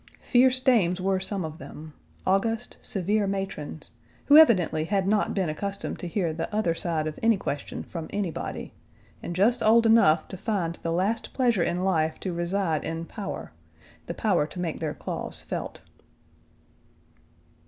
Fierce dames were some of them, august, severe matrons, who evidently had not been accustomed to hear the other side of any question from anybody, and just old enough to find the last pleasure in life to reside in power the power to make their claws felt.